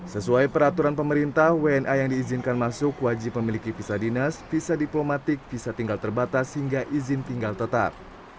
sesuai peraturan pemerintah wna yang diizinkan masuk wajib memiliki visa dinas visa diplomatik visa tinggal terbatas hingga izin tinggal tetap